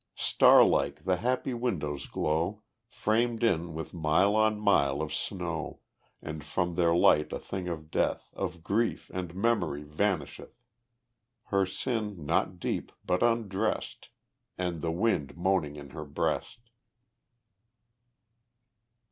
Star like the happy windows glow, Framed in with mile on mile of snow; And from their light a thing of death, Of grief and memory vanisheth, Her sin not deep but unredressed, And the wind moaning in her breast.